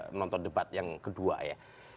menonton debat yang kedua ya